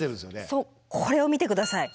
そうこれを見て下さい。